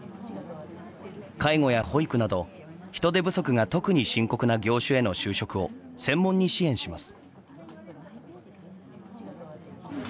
介護や保育など人手不足が特に深刻な業種への就職を専門に支援します。